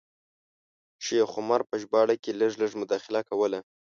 شیخ عمر په ژباړه کې لږ لږ مداخله کوله.